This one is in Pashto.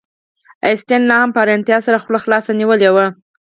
اسټین لاهم په حیرانتیا سره خوله خلاصه نیولې وه